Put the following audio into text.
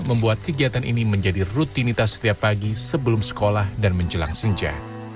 membuat kegiatan ini menjadi rutinitas setiap pagi sebelum sekolah dan menjelang senja